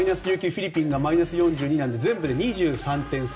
フィリピンがマイナス４２なので全部で２３点差。